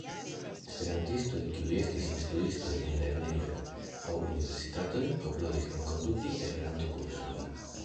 Esperantistoj kiu estis instruistoj en lernejoj aŭ universitatoj klopodis enkonduki Esperanto-kursojn.